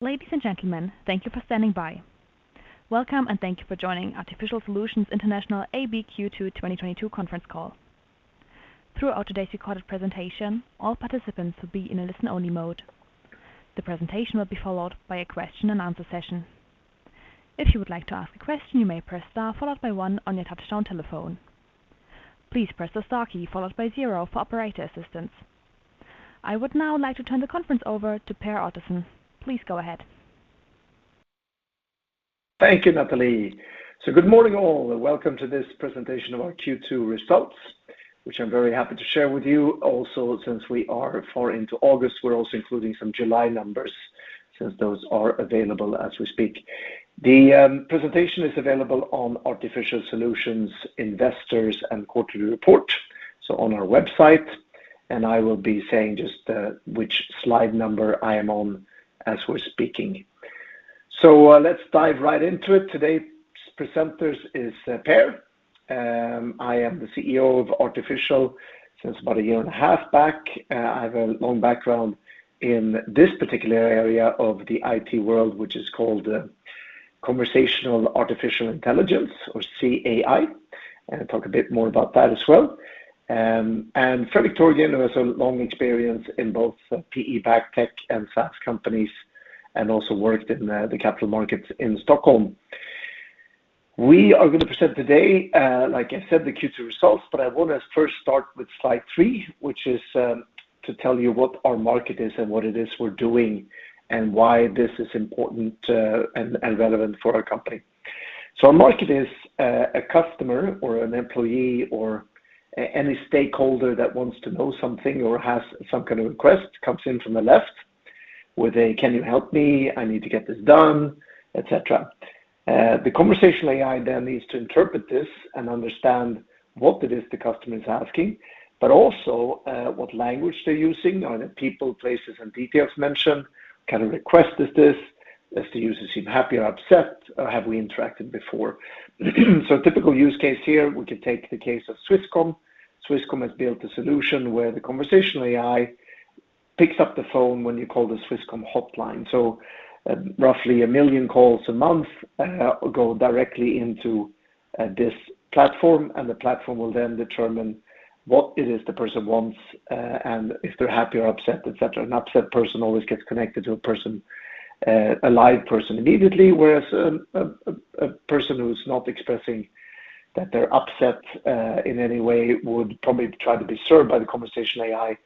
Ladies and gentlemen, thank you for standing by. Welcome and thank you for joining Artificial Solutions International AB Q2 2022 conference call. Throughout today's recorded presentation, all participants will be in a listen-only mode. The presentation will be followed by a question and answer session. If you would like to ask a question, you may press star followed by one on your touch-tone telephone. Please press the star key followed by zero for operator assistance. I would now like to turn the conference over to Per Ottosson. Please go ahead. Thank you, Natalie. Good morning all and welcome to this presentation of our Q2 results, which I'm very happy to share with you. Also, since we are far into August, we are also including some July numbers since those are available as we speak. The presentation is available on Teneo AI Investors and Quarterly Report, so on our website, and I will be saying just which slide number I am on as we are speaking. Let's dive right into it. Today's presenters is Per. I am the CEO of Teneo AI since about a year and a half back. I have a long background in this particular area of the IT world, which is called Conversational Artificial Intelligence or CAI, and I'll talk a bit more about that as well. Fredrik Törgren, who has a long experience in both PE-backed tech and SaaS companies and also worked in the capital markets in Stockholm. We are gonna present today, like I said, the Q2 results, but I wanna first start with Slide 3, which is to tell you what our market is and what it is we are doing and why this is important, and relevant for our company. Our market is a customer or an employee or any stakeholder that wants to know something or has some kind of request comes in from the left with a, "Can you help me? I need to get this done," et cetera. The conversational AI then needs to interpret this and understand what it is the customer is asking, but also what language they're using. Are there people, places, and details mentioned? What kind of request is this? Does the user seem happy or upset? Have we interacted before? A typical use case here, we can take the case of Swisscom. Swisscom has built a solution where the conversational AI picks up the phone when you call the Swisscom hotline. Roughly 1 million calls a month go directly into this platform, and the platform will then determine what it is the person wants, and if they're happy or upset, et cetera. An upset person always gets connected to a person, a live person immediately, whereas a person who's not expressing that they're upset in any way would probably try to be served by the conversational AI.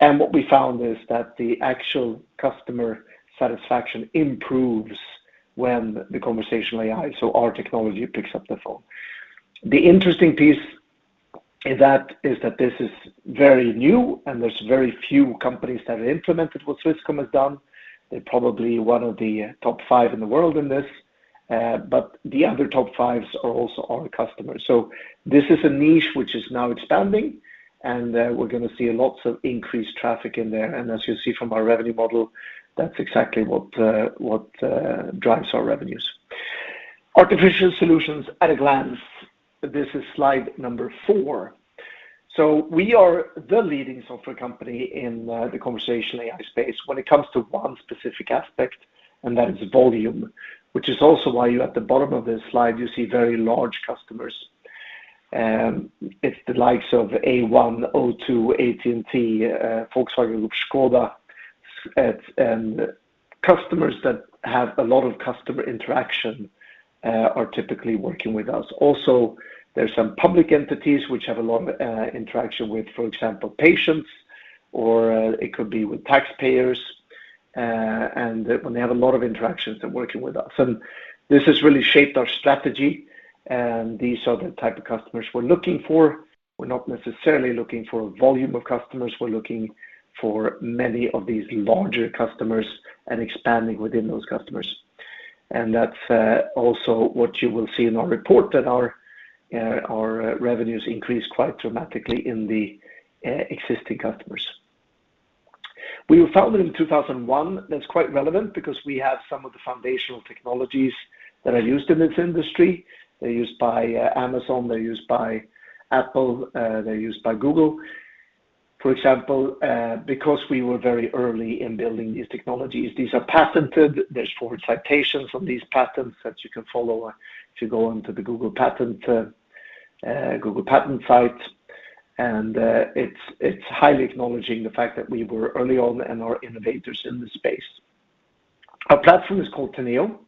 What we found is that the actual customer satisfaction improves when the conversational AI, so our technology, picks up the phone. The interesting piece in that is that this is very new and there's very few companies that have implemented what Swisscom has done. They are probably one of the top five in the world in this, but the other top fives are also our customers. This is a niche which is now expanding and, we are gonna see lots of increased traffic in there. As you see from our revenue model, that's exactly what drives our revenues. Artificial Solutions at a glance. This is slide number 4. We are the leading software company in, the conversational AI space when it comes to one specific aspect, and that is volume, which is also why you at the bottom of this slide, you see very large customers. It's the likes of A1, O2, AT&T, Volkswagen Group, Škoda, and customers that have a lot of customer interaction are typically working with us. Also, there is some public entities which have a lot of interaction with, for example, patients, or it could be with taxpayers, and when they have a lot of interactions, they're working with us. This has really shaped our strategy, and these are the type of customers we're looking for. We're not necessarily looking for volume of customers. We are looking for many of these larger customers and expanding within those customers. That's also what you will see in our report that our revenues increase quite dramatically in the existing customers. We were founded in 2001. That's quite relevant because we have some of the foundational technologies that are used in this industry. They are used by Amazon, they're used by Apple, they are used by Google, for example, because we were very early in building these technologies. These are patented. There's 4 citations on these patents that you can follow if you go onto the Google Patents site. It's highly acknowledging the fact that we were early on and are innovators in this space. Our platform is called Teneo,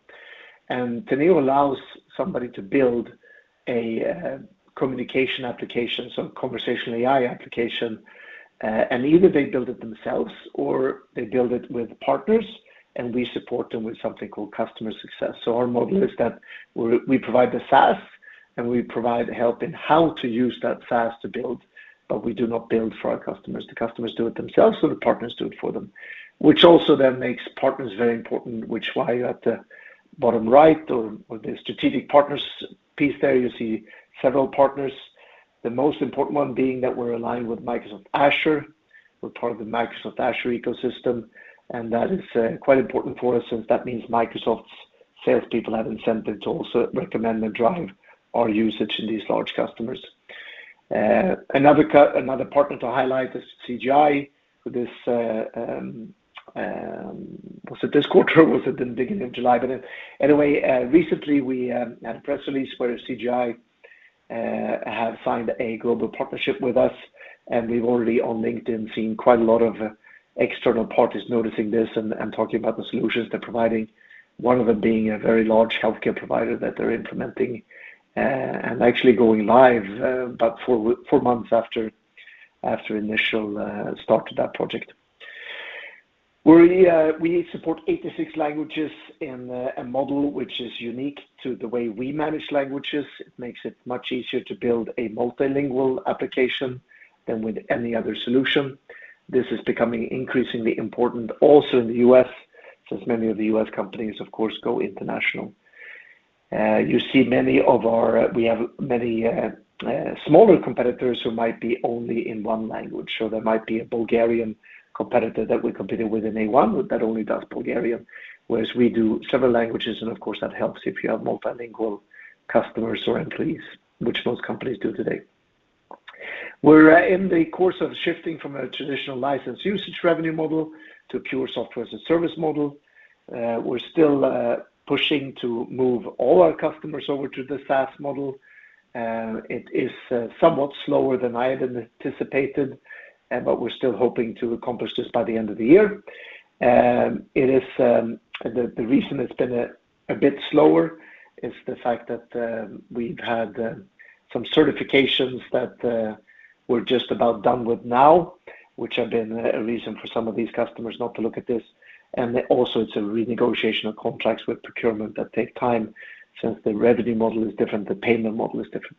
and Teneo allows somebody to build a communication application, so conversational AI application, and either they build it themselves or they build it with partners, and we support them with something called customer success. Our model is that we're, we provide the SaaS and we provide help in how to use that SaaS to build, but we do not build for our customers. The customers do it themselves or the partners do it for them, which also then makes partners very important, which is why at the bottom right or with the strategic partners piece there, you see several partners. The most important one being that we are aligned with Microsoft Azure. We are part of the Microsoft Azure ecosystem, and that is quite important for us since that means Microsoft's salespeople have incentive to also recommend and drive our usage in these large customers. Another part to highlight is CGI for this, was it this quarter or was it the beginning of July? Anyway, recently we had a press release where CGI have signed a global partnership with us, and we've already on LinkedIn seen quite a lot of external parties noticing this and talking about the solutions they are providing, one of them being a very large healthcare provider that they're implementing and actually going live about 4 months after initial start of that project. We support 86 languages in a model which is unique to the way we manage languages. It makes it much easier to build a multilingual application than with any other solution. This is becoming increasingly important also in the U.S., since many of the U.S. companies, of course, go international. You see we have many smaller competitors who might be only in one language. There might be a Bulgarian competitor that we are competing with in A1 that only does Bulgarian, whereas we do several languages, and of course, that helps if you have multilingual customers or employees, which most companies do today. We are in the course of shifting from a traditional licensed usage revenue model to a pure software as a service model. We are still pushing to move all our customers over to the SaaS model. It is somewhat slower than I had anticipated, but we're still hoping to accomplish this by the end of the year. The reason it's been a bit slower is the fact that we've had some certifications that we are just about done with now, which have been a reason for some of these customers not to look at this. Also it's a renegotiation of contracts with procurement that take time since the revenue model is different, the payment model is different.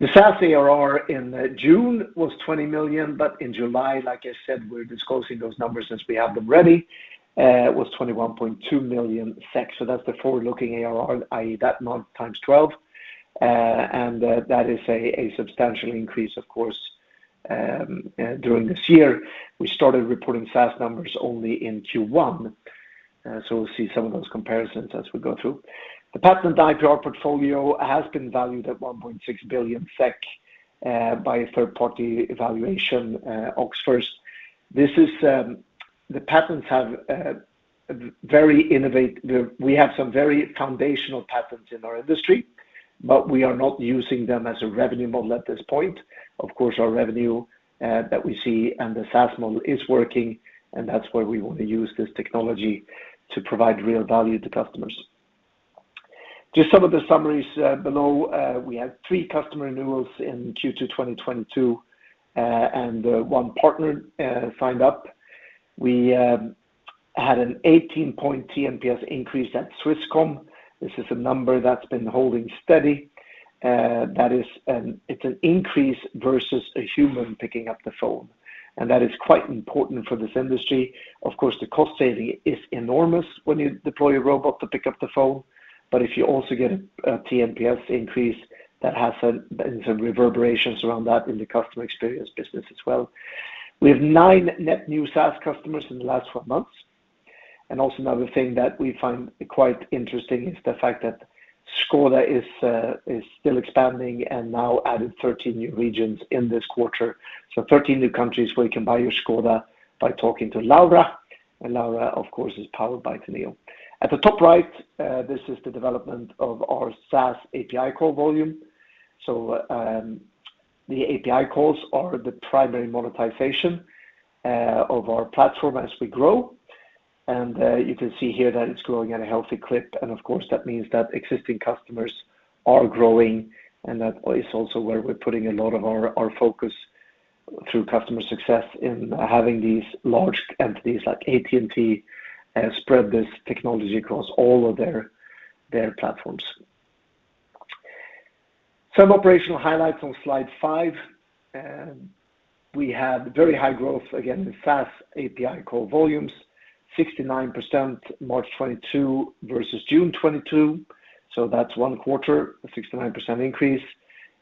The SaaS ARR in June was 20 million, but in July, like I said, we're disclosing those numbers since we have them ready, was 21.2 million SEK. That's the forward-looking ARR, i.e., that month times 12. That is a substantial increase, of course, during this year. We started reporting SaaS numbers only in Q1, so we will see some of those comparisons as we go through. The patent IPR portfolio has been valued at 1.6 billion SEK by a third-party evaluation, OxFirst. The patents have we have some very foundational patents in our industry, but we are not using them as a revenue model at this point. Of course, our revenue that we see and the SaaS model is working, and that's where we want to use this technology to provide real value to customers. Just some of the summaries below, we had three customer renewals in Q2 2022, and one partner signed up. We had an 18-point tNPS increase at Swisscom. This is a number that's been holding steady. It's an increase versus a human picking up the phone. That is quite important for this industry. Of course, the cost saving is enormous when you deploy a robot to pick up the phone. If you also get a tNPS increase that has some reverberations around that in the customer experience business as well. We have nine net new SaaS customers in the last four months. Also another thing that we find quite interesting is the fact that Škoda is still expanding and now added 13 new regions in this quarter. Thirteen new countries where you can buy your Škoda by talking to Laura. Laura, of course, is powered by Teneo. At the top right, this is the development of our SaaS API call volume. The API calls are the primary monetization of our platform as we grow. You can see here that it's growing at a healthy clip. That is also where we're putting a lot of our focus through customer success in having these large entities like AT&T spread this technology across all of their platforms. Some operational highlights on slide 5. We had very high growth, again, in SaaS API call volumes, 69% March 2022 versus June 2022. That's one quarter, a 69% increase.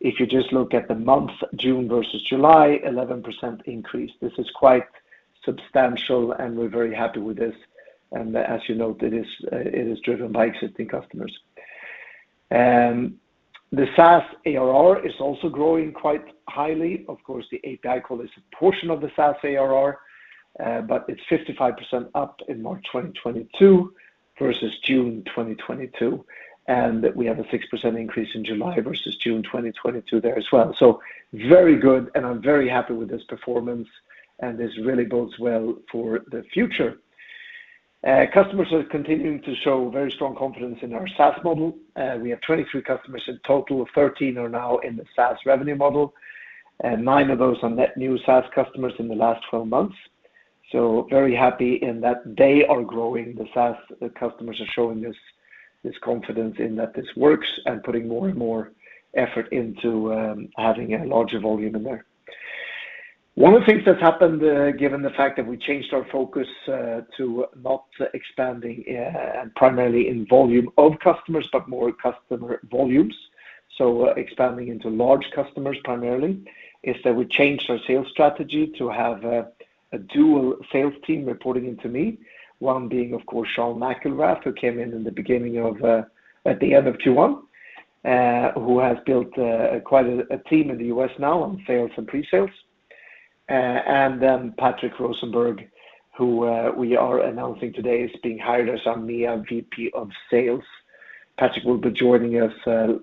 If you just look at the month, June versus July, 11% increase. This is quite substantial, and we're very happy with this. As you note, it is driven by existing customers. The SaaS ARR is also growing quite highly. Of course, the API call is a portion of the SaaS ARR, but it's 55% up in March 2022 versus June 2022, and we have a 6% increase in July versus June 2022 there as well. Very good, and I'm very happy with this performance, and this really bodes well for the future. Customers are continuing to show very strong confidence in our SaaS model. We have 23 customers in total. 13 are now in the SaaS revenue model, and 9 of those are net new SaaS customers in the last 12 months. Very happy in that they are growing the SaaS. The customers are showing this confidence in that this works and putting more and more effort into having a larger volume in there. One of the things that's happened, given the fact that we changed our focus to not expanding primarily in volume of customers, but more customer volumes, so expanding into large customers primarily, is that we changed our sales strategy to have a dual sales team reporting into me. One being, of course, Sean McIlrath, who came in at the end of Q1, who has built quite a team in the US now on sales and pre-sales. Patrick Rosenberg, who we are announcing today is being hired as our EMEA VP of sales. Patrick will be joining us,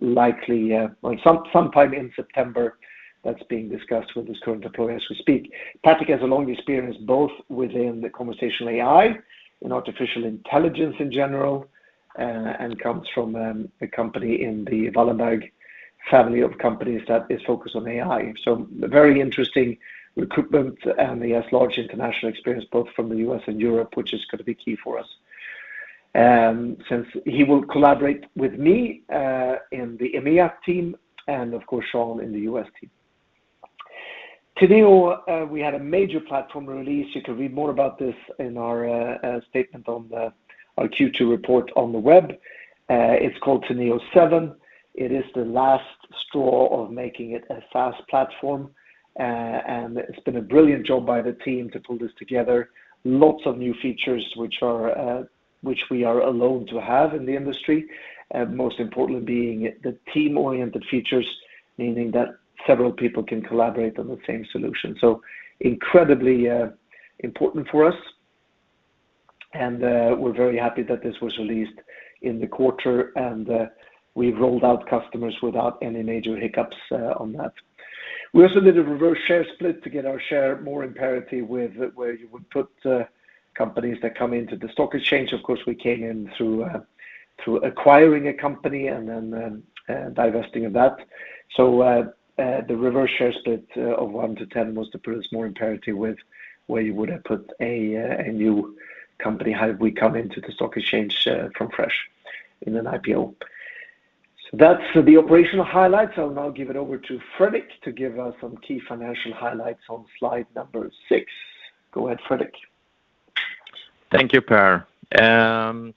likely, on some time in September. That is being discussed with his current employer as we speak. Patrick has a long experience, both within the conversational AI and artificial intelligence in general, and comes from a company in the Wallenberg family of companies that is focused on AI. Very interesting recruitment, and he has large international experience, both from the US and Europe, which is gonna be key for us. Since he will collaborate with me in the EMEA team and of course Sean in the US team. Teneo, we had a major platform release. You can read more about this in our statement on our Q2 report on the web. It's called Teneo 7. It is the last straw of making it a SaaS platform. It's been a brilliant job by the team to pull this together. Lots of new features, which we are alone to have in the industry, most importantly being the team-oriented features, meaning that several people can collaborate on the same solution. Incredibly important for us. We're very happy that this was released in the quarter. We've rolled out customers without any major hiccups on that. We also did a reverse share split to get our share more in parity with where you would put companies that come into the stock exchange. Of course, we came in through acquiring a company and then divesting of that. The reverse share split of 1 to 10 was to put us more in parity with where you would have put a new company had we come into the stock exchange from scratch in an IPO. That's the operational highlights. I'll now give it over to Fredrik to give us some key financial highlights on slide number 6. Go ahead, Fredrik. Thank you, Per. Some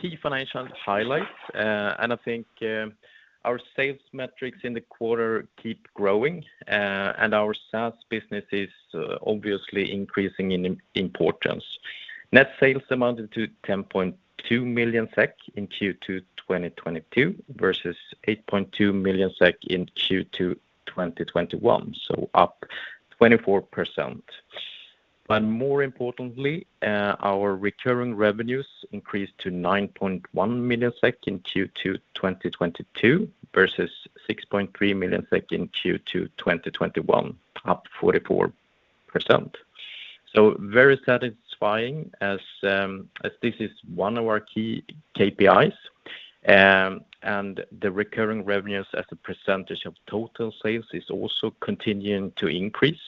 key financial highlights. I think our sales metrics in the quarter keep growing, and our SaaS business is obviously increasing in importance. Net sales amounted to 10.2 million SEK in Q2 2022 versus 8.2 million SEK in Q2 2021, so up 24%. More importantly, our recurring revenues increased to 9.1 million SEK in Q2 2022 versus 6.3 million SEK in Q2 2021, up 44%. Very satisfying as this is one of our key KPIs. The recurring revenues as a percentage of total sales is also continuing to increase.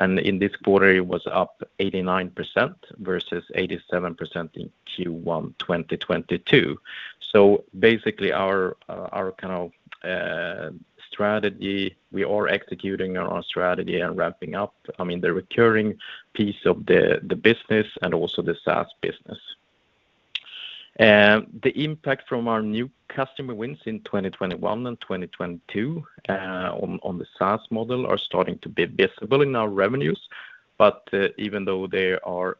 In this quarter, it was up 89% versus 87% in Q1 2022. Basically, our kind of strategy, we are executing on our strategy and ramping up, I mean, the recurring piece of the business and also the SaaS business. And the impact from our new customer wins in 2021 and 2022 on the SaaS model are starting to be visible in our revenues. Even though they are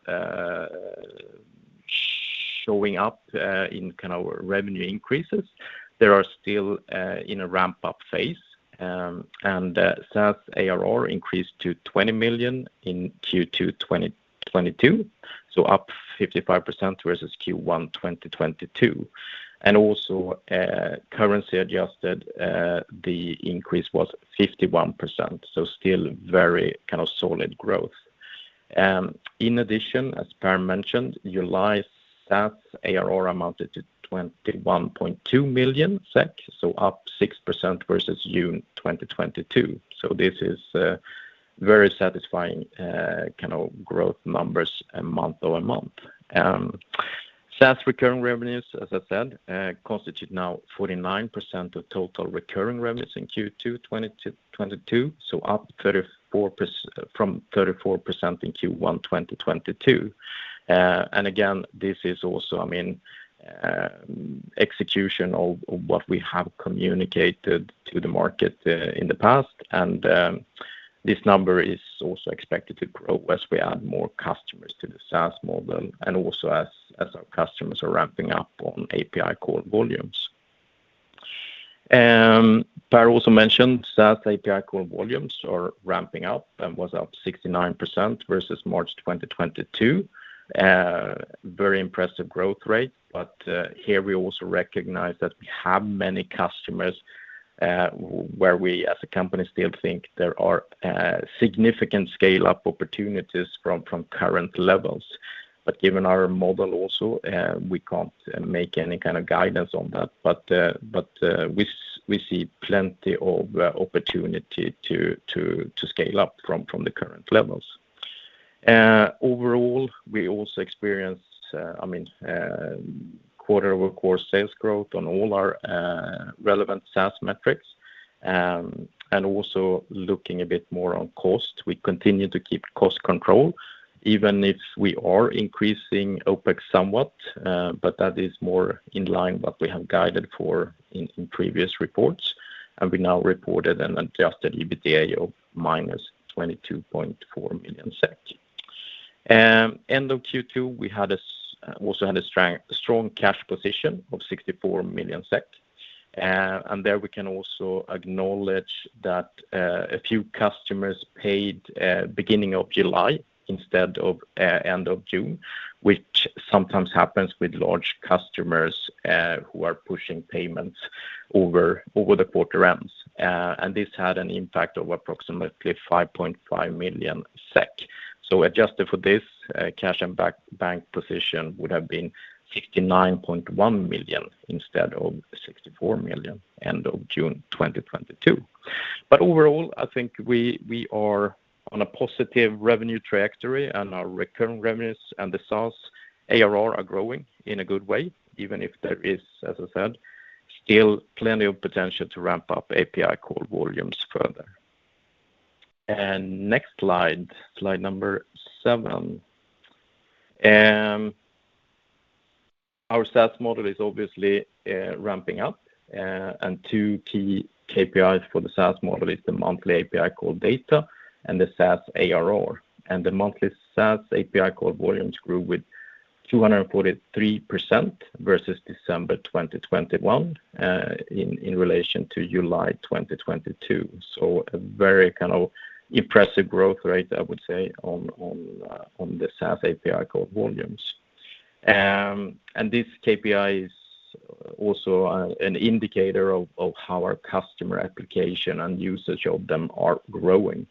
showing up in kind of revenue increases, they are still in a ramp-up phase. SaaS ARR increased to 20 million in Q2 2022, so up 55% versus Q1 2022. Currency adjusted, the increase was 51%, so still very kind of solid growth. As Per mentioned, July SaaS ARR amounted to 21.2 million SEK, so up 6% versus June 2022. This is very satisfying kind of growth numbers month-over-month. SaaS recurring revenues, as I said, constitute now 49% of total recurring revenues in Q2 2022, so up 34% from 34% in Q1 2022. Again, this is also, I mean, execution of what we have communicated to the market in the past. This number is also expected to grow as we add more customers to the SaaS model and also as our customers are ramping up on API call volumes. Per also mentioned SaaS API call volumes are ramping up and was up 69% versus March 2022. Very impressive growth rate, but here we also recognize that we have many customers where we as a company still think there are significant scale-up opportunities from current levels. Given our model also, we can't make any kind of guidance on that. We see plenty of opportunity to scale up from the current levels. Overall, we also experienced, I mean, quarter-over-quarter sales growth on all our relevant SaaS metrics. Also looking a bit more on cost. We continue to keep cost control even if we are increasing OpEx somewhat, but that is more in line what we have guided for in previous reports. We now reported an adjusted EBITDA of minus 22.4 million SEK. End of Q2, we also had a strong cash position of 64 million SEK. There we can also acknowledge that a few customers paid beginning of July instead of end of June, which sometimes happens with large customers who are pushing payments over the quarter ends. This had an impact of approximately 5.5 million SEK. Adjusted for this, cash and bank position would have been 69.1 million instead of 64 million end of June 2022. Overall, I think we are on a positive revenue trajectory and our recurring revenues and the SaaS ARR are growing in a good way, even if there is, as I said, still plenty of potential to ramp up API call volumes further. Next slide number 7. And our SaaS model is obviously ramping up, and two key KPIs for the SaaS model is the monthly API call data and the SaaS ARR. The monthly SaaS API call volumes grew with 243% versus December 2021 in relation to July 2022. A very kind of impressive growth rate, I would say, on the SaaS API call volumes. And this KPI is also an indicator of how our customer application and usage of them are growing.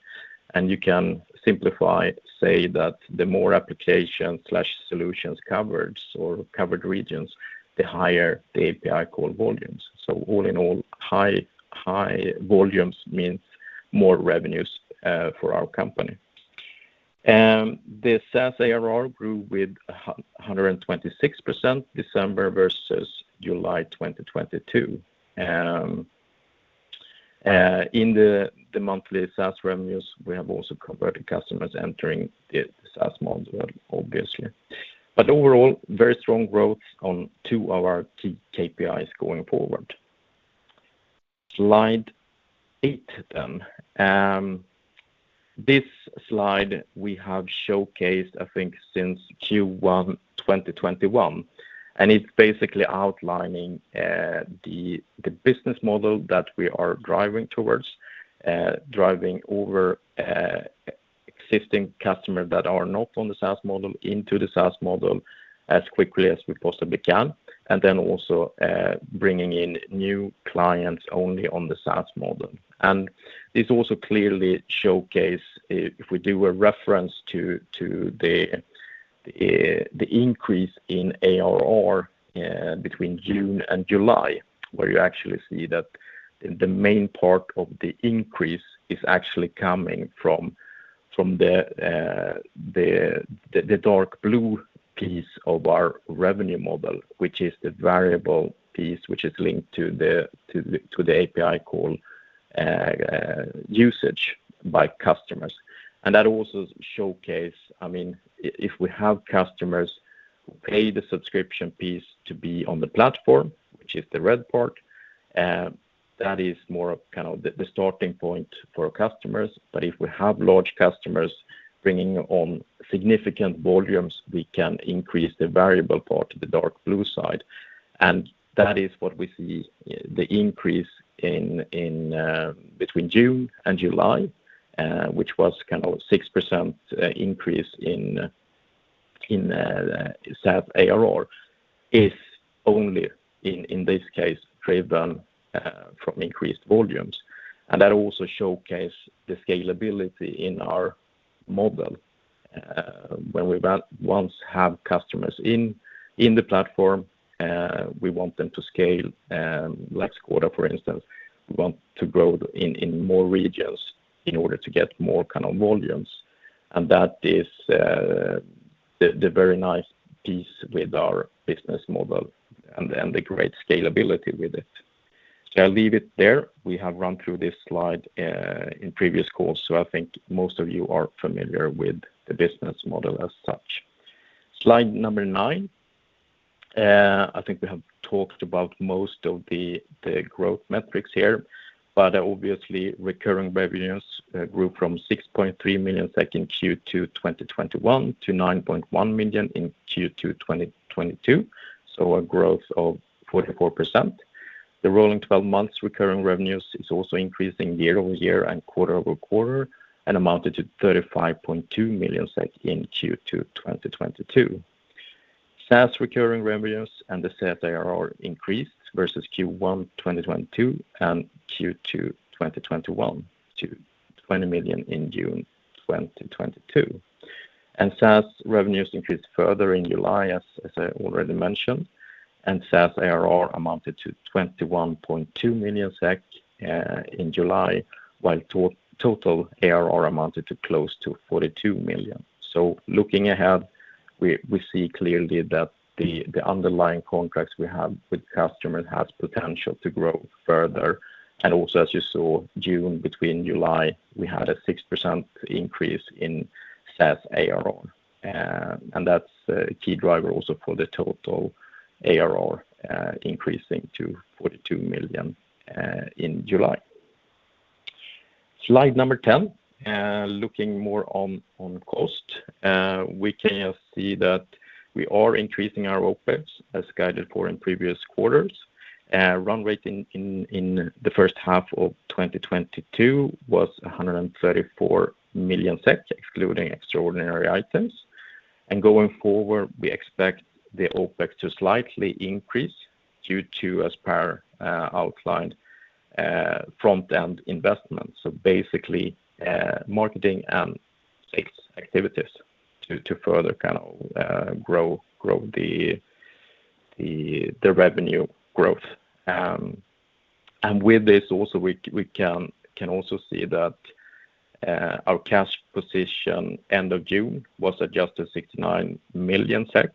You can simplify, say that the more applications/solutions covered or covered regions, the higher the API call volumes. All in all, high volumes means more revenues for our company. The SaaS ARR grew with 126% December versus July 2022. In the monthly SaaS revenues, we have also converted customers entering the SaaS model obviously. Overall, very strong growth on two of our key KPIs going forward. Slide 8. This slide we have showcased, I think, since Q1 2021, and it's basically outlining the business model that we are driving towards existing customers that are not on the SaaS model into the SaaS model as quickly as we possibly can, and then also bringing in new clients only on the SaaS model. This also clearly showcases if we do a reference to the increase in ARR between June and July, where you actually see that the main part of the increase is actually coming from the dark blue piece of our revenue model, which is the variable piece which is linked to the API call usage by customers. That also showcases. I mean, if we have customers who pay the subscription piece to be on the platform, which is the red part, that is more of kind of the starting point for our customers. But if we have large customers bringing on significant volumes, we can increase the variable part, the dark blue side. That is what we see the increase in between June and July, which was kind of 6% increase in SaaS ARR, is only in this case driven from increased volumes. That also showcase the scalability in our model. When we once have customers in the platform, we want them to scale, like Škoda, for instance. We want to grow in more regions in order to get more kind of volumes. And that is the very nice piece with our business model and the great scalability with it. I'll leave it there. We have run through this slide in previous calls, so I think most of you are familiar with the business model as such. Slide number 9. I think we have talked about most of the growth metrics here, but obviously, recurring revenues grew from 6.3 million SEK in Q2 2021 to 9.1 million in Q2 2022. A growth of 44%. The rolling twelve months recurring revenues is also increasing year-over-year and quarter-over-quarter and amounted to 35.2 million SEK in Q2 2022. SaaS recurring revenues and the SaaS ARR increased versus Q1 2022 and Q2 2021 to 20 million in June 2022. SaaS revenues increased further in July, as I already mentioned, and SaaS ARR amounted to 21.2 million SEK in July, while total ARR amounted to close to 42 million. Looking ahead, we see clearly that the underlying contracts we have with customers has potential to grow further. Also, as you saw, between June and July, we had a 6% increase in SaaS ARR. And that's a key driver also for the total ARR, increasing to 42 million in July. Slide 10, looking more on cost. We can just see that we are increasing our OpEx as guided for in previous quarters. Run rate in the first half of 2022 was 134 million, excluding extraordinary items. Going forward, we expect the OpEx to slightly increase due to as per outlined front-end investments. Basically, marketing and sales activities to further kind of grow the revenue growth. With this also we can also see that our cash position end of June was adjusted 69 million SEK,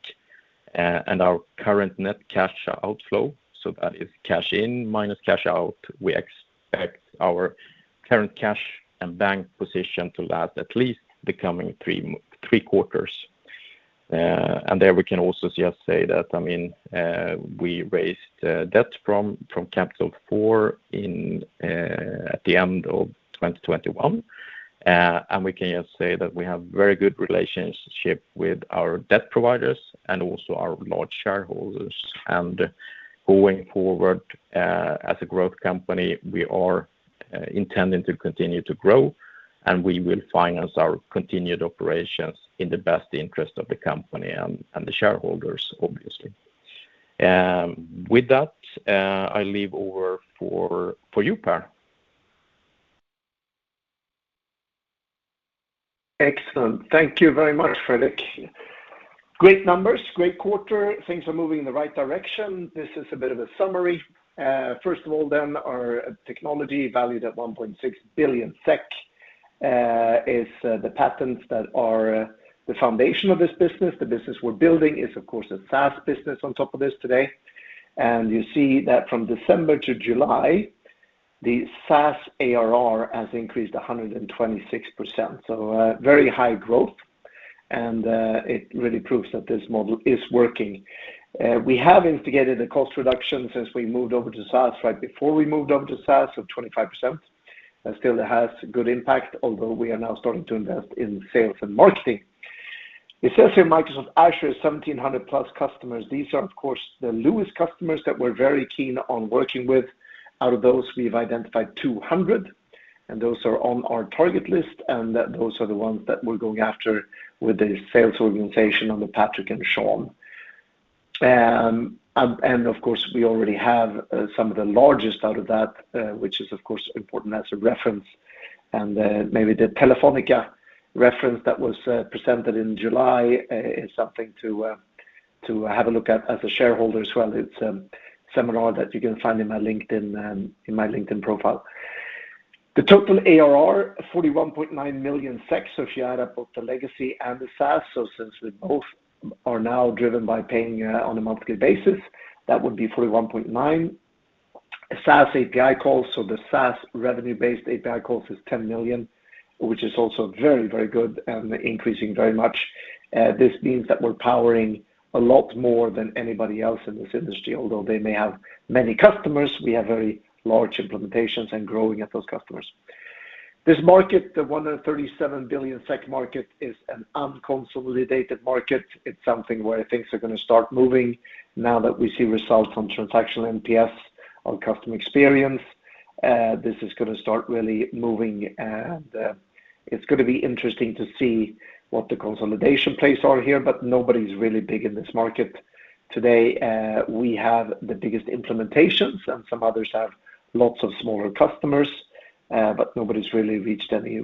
and our current net cash outflow, so that is cash in minus cash out, we expect our current cash and bank position to last at least the coming three quarters. There we can also just say that, I mean, we raised debt from Capital Four at the end of 2021. We can just say that we have very good relationship with our debt providers and also our large shareholders. Going forward, as a growth company, we are intending to continue to grow, and we will finance our continued operations in the best interest of the company and the shareholders, obviously. With that, I leave over for you, Per. Excellent. Thank you very much, Fredrik. Great numbers, great quarter. Things are moving in the right direction. This is a bit of a summary. First of all, our technology valued at 1.6 billion SEK is the patents that are the foundation of this business. The business we are building is, of course, a SaaS business on top of this today. You see that from December to July, the SaaS ARR has increased 126%. Very high growth, and it really proves that this model is working. We have instigated a cost reduction since we moved over to SaaS, right before we moved over to SaaS of 25%. That still has good impact, although we are now starting to invest in sales and marketing. It says here Microsoft Azure is 1,700+ customers. These are, of course, the largest customers that we are very keen on working with. Out of those, we've identified 200, and those are on our target list, and those are the ones that we are going after with the sales organization under Patrick and Sean. Of course, we already have some of the largest out of that, which is of course important as a reference. Maybe the Telefónica reference that was presented in July is something to have a look at as a shareholder as well. It's a seminar that you can find in my LinkedIn profile. The total ARR, 41.9 million SEK. If you add up both the legacy and the SaaS, since we both are now driven by paying on a monthly basis, that would be 41.9. SaaS API calls, so the SaaS revenue-based API calls is 10 million, which is also very, very good and increasing very much. This means that we're powering a lot more than anybody else in this industry. Although they may have many customers, we have very large implementations and growing at those customers. This market, the 137 billion SEK market, is an unconsolidated market. It's something where things are gonna start moving now that we see results on transactional NPS on customer experience. This is gonna start really moving, and it's gonna be interesting to see what the consolidation plays are here, but nobody's really big in this market today. We have the biggest implementations, and some others have lots of smaller customers, but nobody's really reached any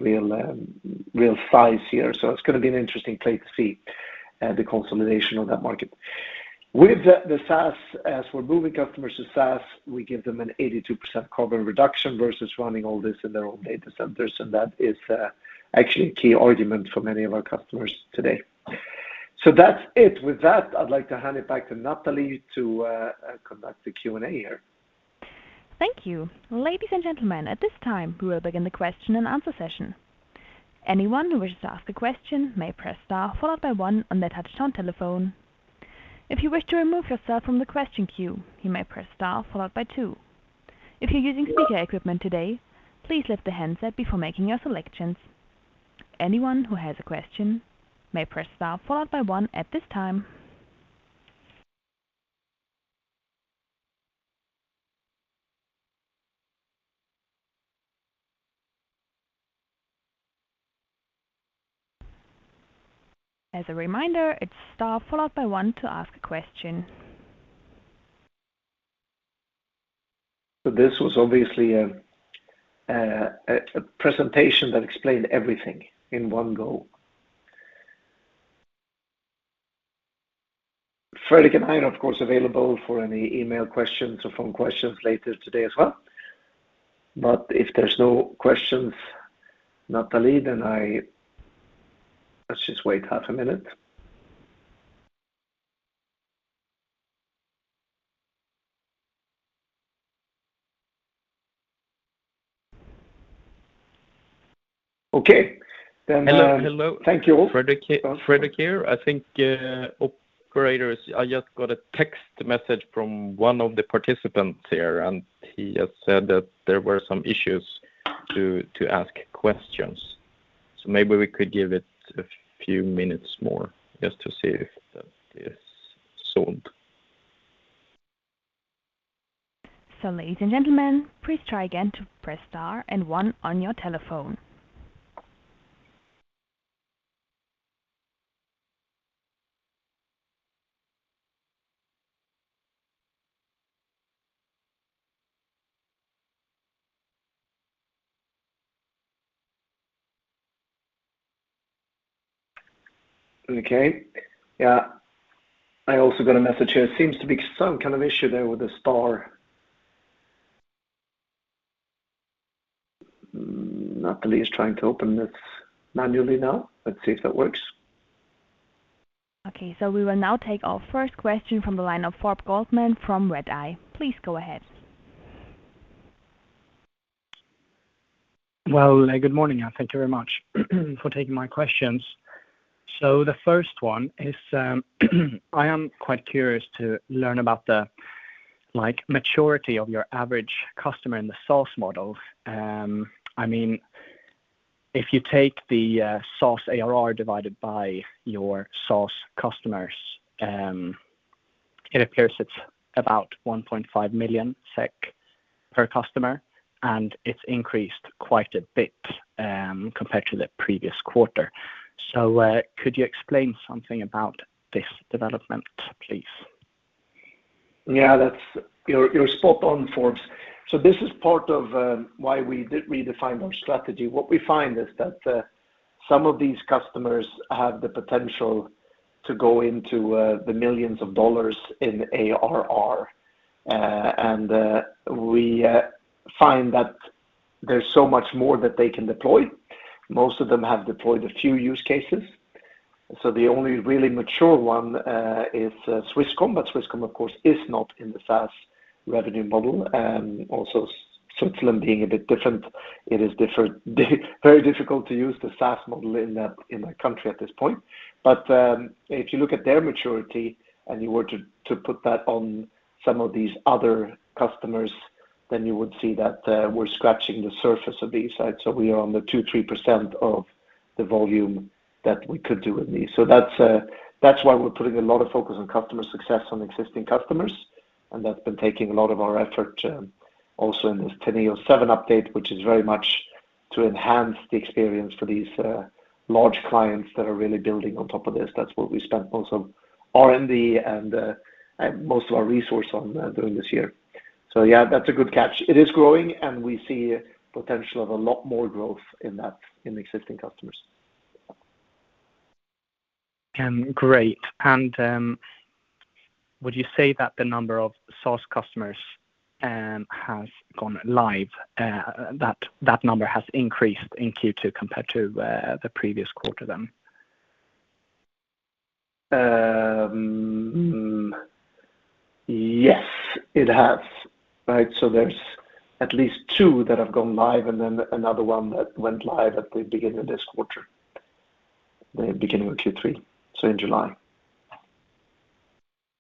real size here. It's gonna be an interesting play to see the consolidation on that market. With the SaaS, as we're moving customers to SaaS, we give them an 82% carbon reduction versus running all this in their own data centers, and that is actually a key argument for many of our customers today. That's it. With that, I'd like to hand it back to Natalie to conduct the Q&A here. Thank you. Ladies and gentlemen, at this time, we will begin the question and answer session. Anyone who wishes to ask a question may press star followed by one on their touchtone telephone. If you wish to remove yourself from the question queue, you may press star followed by two. If you're using speaker equipment today, please lift the handset before making your selections. Anyone who has a question may press star followed by one at this time. As a reminder, it's star followed by one to ask a question. This was obviously a presentation that explained everything in one go. Fredrik and I are, of course, available for any email questions or phone questions later today as well. If there's no questions, Natalie, then let's just wait half a minute. Okay. Hello. Hello. Thank you all. Fredrik here. I think, operators, I just got a text message from one of the participants here, and he just said that there were some issues to ask questions. Maybe we could give it a few minutes more just to see if that is solved. Ladies and gentlemen, please try again to press star and one on your telephone. Okay. Yeah. I also got a message here. Seems to be some kind of issue there with the star. Natalie is trying to open this manually now. Let's see if that works. Okay. We will now take our first question from the line of Forbes Goldman from Redeye. Please go ahead. Well, good morning. Thank you very much for taking my questions. The first one is, I am quite curious to learn about the, like, maturity of your average customer in the SaaS model. I mean, if you take the SaaS ARR divided by your SaaS customers, it appears it's about 1.5 million SEK per customer, and it's increased quite a bit, compared to the previous quarter. Could you explain something about this development, please? Yeah, that's. You are spot on, Forbes. This is part of why we did redefine our strategy. What we find is that some of these customers have the potential to go into the $ millions in ARR. We find that there's so much more that they can deploy. Most of them have deployed a few use cases. The only really mature one is Swisscom. Swisscom, of course, is not in the SaaS revenue model. Switzerland being a bit different, it is very difficult to use the SaaS model in a country at this point. If you look at their maturity and you were to put that on some of these other customers, then you would see that we are scratching the surface of these. We are on the 2-3% of the volume that we could do with these. That's why we are putting a lot of focus on customer success on existing customers, and that's been taking a lot of our effort, also in this Teneo 7 update, which is very much to enhance the experience for these large clients that are really building on top of this. That's what we spent most of R&D and most of our resource on during this year. Yeah, that's a good catch. It is growing, and we see potential of a lot more growth in that in existing customers. Great. Would you say that the number of source customers has gone live, that number has increased in Q2 compared to the previous quarter then? Yes, it has. Right. There's at least two that have gone live and then another one that went live at the beginning of this quarter. The beginning of Q3, so in July.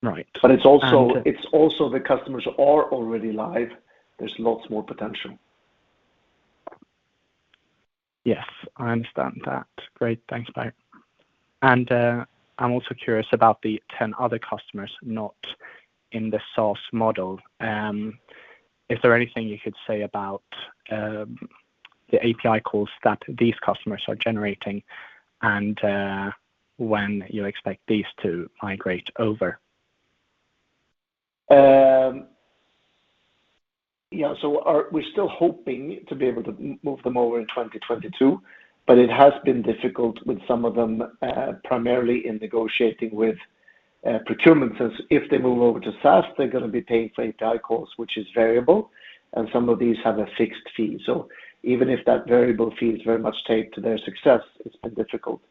Right. It's also the customers are already live. There is lots more potential. Yes, I understand that. Great. Thanks. Bye. I'm also curious about the 10 other customers not in the source model. Is there anything you could say about the API calls that these customers are generating and when you expect these to migrate over? We're still hoping to be able to move them over in 2022, but it has been difficult with some of them, primarily in negotiating with procurement. Since if they move over to SaaS, they're gonna be paying for API calls, which is variable, and some of these have a fixed fee. Even if that variable fee is very much tied to their success, it's been difficult.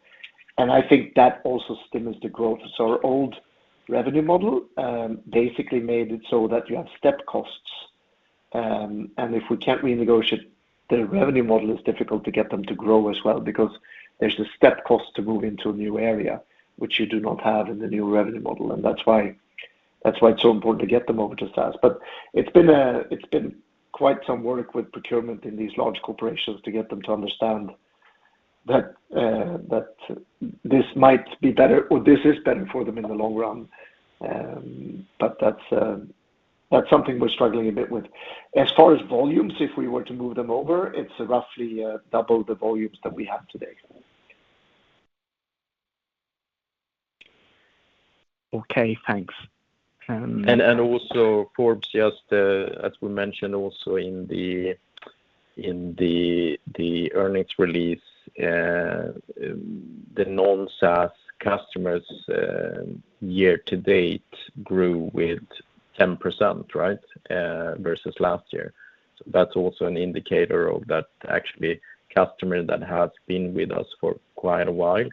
I think that also stimulates the growth. Our old revenue model basically made it so that you have step costs. If we can't renegotiate, the revenue model is difficult to get them to grow as well because there's a step cost to move into a new area, which you do not have in the new revenue model, and that's why it's so important to get them over to SaaS. It's been quite some work with procurement in these large corporations to get them to understand that this might be better or this is better for them in the long run. That's something we are struggling a bit with. As far as volumes, if we were to move them over, it's roughly double the volumes that we have today. Okay, thanks. And also, Forbes, just, as we mentioned also in the earnings release, the non-SaaS customers year to date grew with 10%, right, versus last year. That's also an indicator of that actually customer that has been with us for quite a while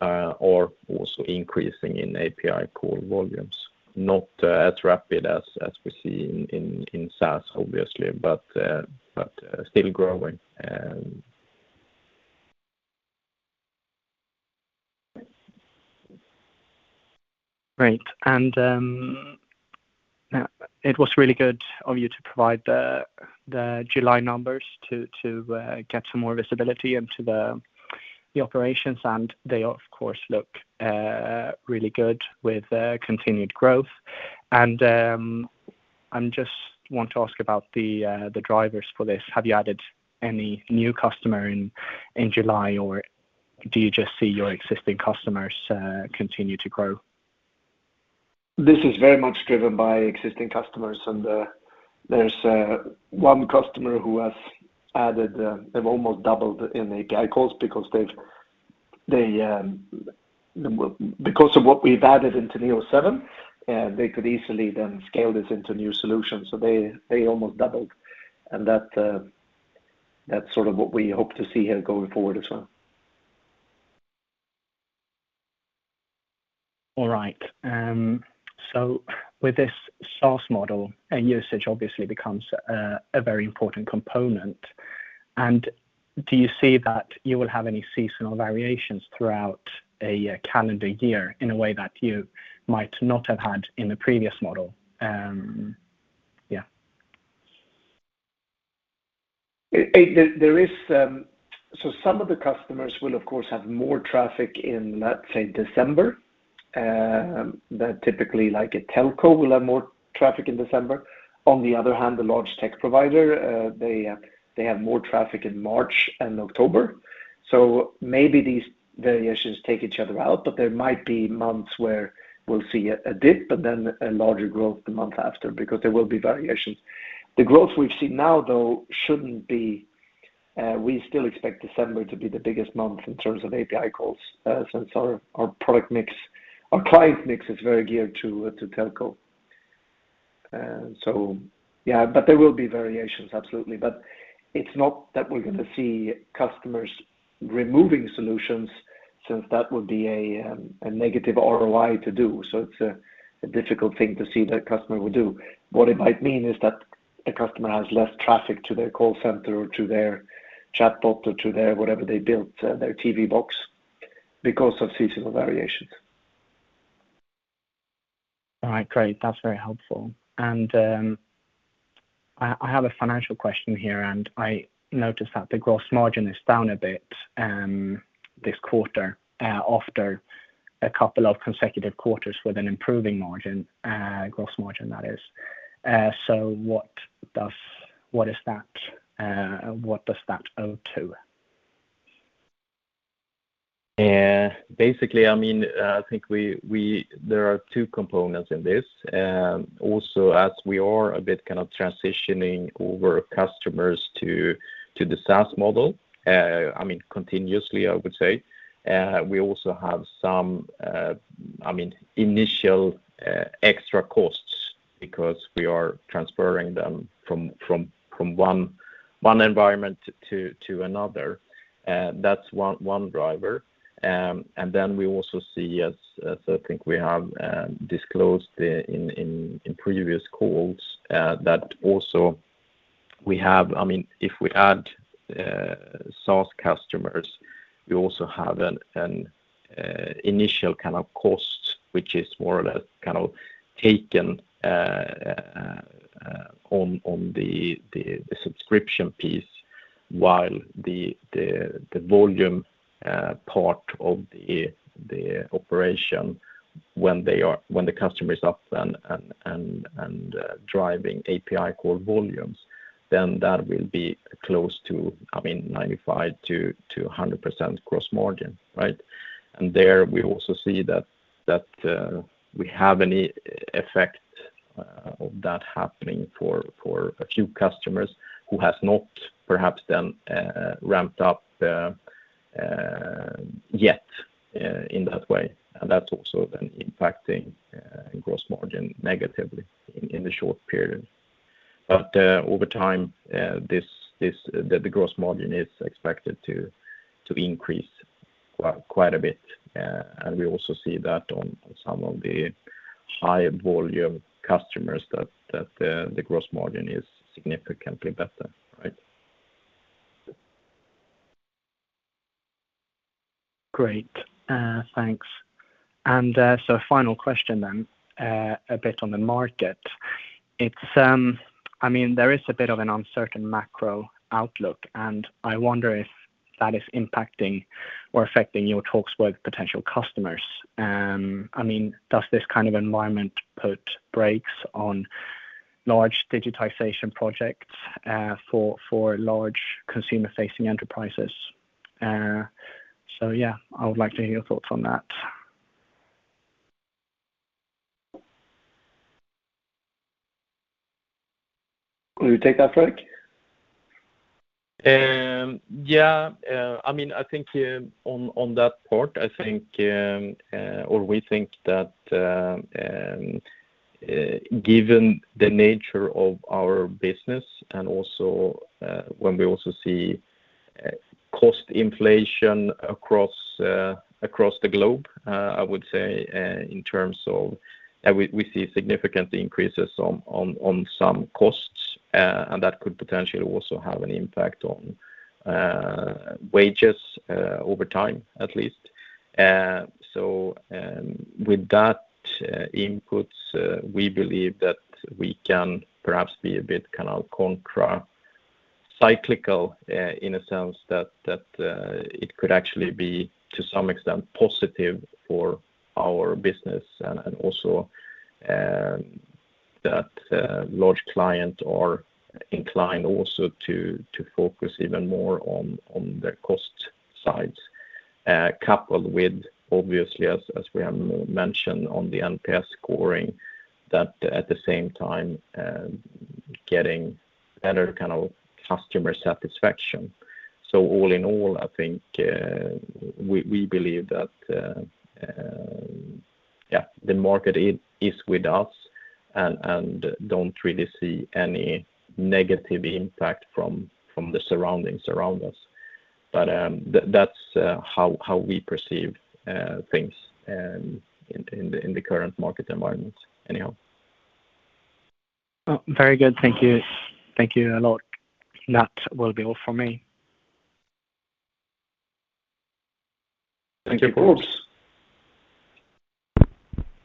or also increasing in API call volumes, not as rapid as we see in SaaS, obviously, but still growing. Great. It was really good of you to provide the July numbers to get some more visibility into the operations, and they of course look really good with continued growth. I'm just want to ask about the drivers for this. Have you added any new customer in July, or do you just see your existing customers continue to grow? This is very much driven by existing customers, and there is one customer who has added. They've almost doubled in API calls because of what we have added into Teneo 7. They could easily then scale this into new solutions. They almost doubled. That's sort of what we hope to see here going forward as well. All right. With this SaaS model and usage obviously becomes a very important component. Do you see that you will have any seasonal variations throughout a calendar year in a way that you might not have had in the previous model? Yeah. There is some of the customers will of course have more traffic in, let's say December, that typically like a telco will have more traffic in December. On the other hand, the large tech provider, they have more traffic in March and October. Maybe these variations take each other out, but there might be months where we'll see a dip, but then a larger growth the month after because there will be variations. The growth we have seen now, though, shouldn't be, we still expect December to be the biggest month in terms of API calls, since our product mix, our client mix is very geared to telco. Yeah, but there will be variations, absolutely. It's not that we're gonna see customers removing solutions since that would be a negative ROI to do. It's a difficult thing to see that customer will do. What it might mean is that a customer has less traffic to their call center or to their chatbot or to their whatever they built, their TV box because of seasonal variations. All right. Great. That's very helpful. I have a financial question here, and I noticed that the gross margin is down a bit, this quarter, after a couple of consecutive quarters with an improving margin, gross margin, that is. What is that? What does that owe to? Yeah. Basically, I mean, I think there are two components in this. Also, as we are a bit kind of transitioning our customers to the SaaS model, I mean, continuously, I would say, we also have some, I mean, initial extra costs because we are transferring them from one environment to another. That's one driver. Then we also see, as I think we have disclosed in previous calls, that also we have. I mean, if we add SaaS customers, we also have an initial kind of cost, which is more or less kind of taken on the subscription piece while the volume part of the operation when the customer is up and driving API call volumes, then that will be close to, I mean, 95%-100% gross margin, right? There we also see that we have any effect of that happening for a few customers who has not perhaps then ramped up yet in that way. That's also then impacting gross margin negatively in the short period. Over time, this, the gross margin is expected to increase quite a bit. We also see that on some of the high volume customers that the gross margin is significantly better, right? Great. Thanks. Final question, a bit on the market. It's, I mean, there is a bit of an uncertain macro outlook, and I wonder if that is impacting or affecting your talks with potential customers. I mean, does this kind of environment put brakes on large digitization projects for large consumer-facing enterprises? I would like to hear your thoughts on that. Will you take that, Fredrik? Yeah. I mean, I think on that part, I think or we think that, given the nature of our business and also when we also see cost inflation across the globe, I would say in terms of we see significant increases on some costs and that could potentially also have an impact on wages over time, at least. With those inputs, we believe that we can perhaps be a bit kind of countercyclical in a sense that it could actually be to some extent positive for our business and also that large clients are inclined also to focus even more on the cost sides. Coupled with obviously as we have mentioned on the NPS scoring that at the same time, getting better kind of customer satisfaction. So all in all, I think, we believe that, yeah, the market is with us and don't really see any negative impact from the surroundings around us. That's how we perceive things in the current market environment anyhow. Oh, very good. Thank you. Thank you a lot. That will be all for me. Thank you.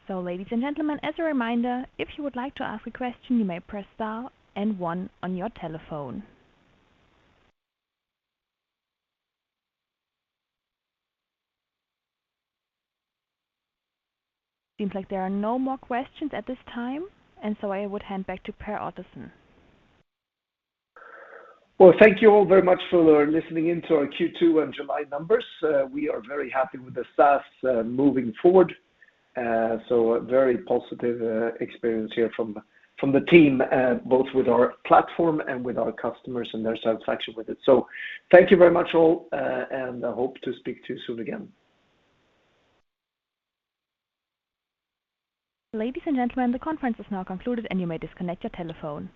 Ladies and gentlemen, as a reminder, if you would like to ask a question, you may press star and one on your telephone. Seems like there are no more questions at this time, and so I would hand back to Per Ottosson. Well, thank you all very much for listening in to our Q2 and July numbers. We are very happy with the SaaS moving forward. Very positive experience here from the team both with our platform and with our customers and their satisfaction with it. Thank you very much all, and I hope to speak to you soon again. Ladies and gentlemen, the conference is now concluded, and you may disconnect your telephone.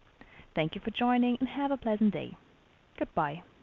Thank you for joining, and have a pleasant day. Goodbye.